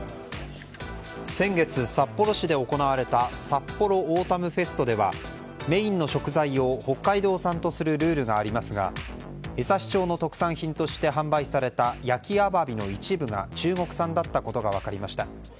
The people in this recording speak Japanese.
先月、札幌市で行われた「さっぽろオータムフェスト」ではメインの食材を北海道産とするルールがありますが江差町の特産品として販売された焼きアワビの一部が中国産だったことが分かりました。